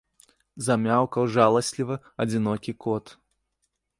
Замяўкаў жаласліва адзінокі кот.